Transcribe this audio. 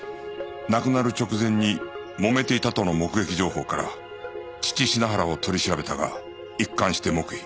亡くなる直前にもめていたとの目撃情報から父品原を取り調べたが一貫して黙秘